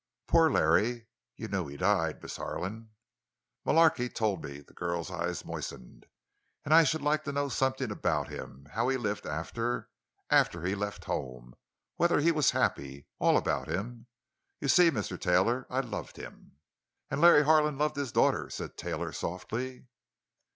"Poor Larry. You knew he died, Miss Harlan?" "Mullarky told me." The girl's eyes moistened. "And I should like to know something about him—how he lived after—after he left home; whether he was happy—all about him. You see, Mr. Taylor, I loved him!" "And Larry Harlan loved his daughter," said Taylor softly.